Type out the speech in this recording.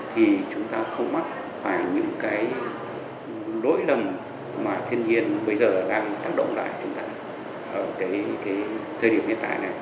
thì chúng ta không mắc phải những cái lỗi lầm mà thiên nhiên bây giờ đang tác động lại chúng ta ở cái thời điểm hiện tại này